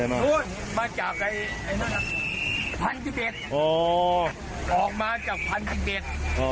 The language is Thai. แค่นี้เอาพันธ์ทหารมาจากพันธ์๑๑